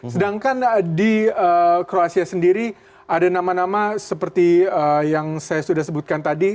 sedangkan di kroasia sendiri ada nama nama seperti yang saya sudah sebutkan tadi